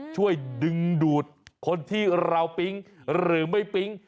ช่วยดึงดูดคนที่เราปิ๊งหรือไม่ปิ๊ง